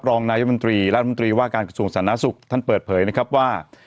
รองนายบุญตรีราธิบุญตรีว่าการกระทรวงสถานะศุกร์ท่านเปิดเผยนะครับว่า